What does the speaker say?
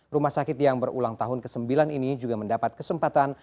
rumah sakit yang berulang tahun ke sembilan ini juga mendapat kesempatan